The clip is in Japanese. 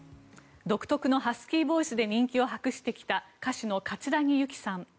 独特のハスキーボイスで人気を博してきた歌手の葛城ユキさん。